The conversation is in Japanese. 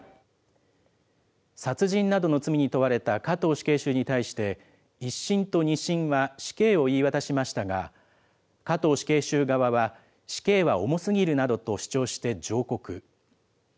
殺人などの罪に問われた加藤死刑囚に対して、１審と２審は死刑を言い渡しましたが、加藤死刑囚側は死刑は重すぎるなどと主張して上告。